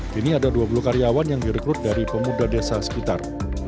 kini ada dua puluh karyawan yang direkrut dari pemuda desa sekitar